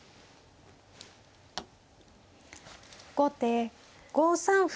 後手５三歩。